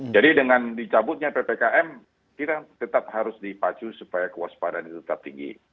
jadi dengan dicabutnya ppkm kita tetap harus dipacu supaya kewaspadaan itu tetap tinggi